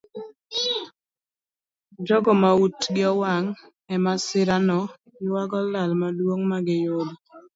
Jogo ma utgi owang' emasirano yuago lal maduong magiyudo.